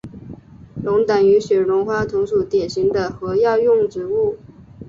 龙胆与雪绒花同属典型的和药用植物。